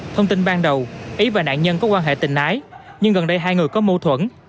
thông tin ban đầu ý và nạn nhân có quan hệ tình ái nhưng gần đây hai người có mâu thuẫn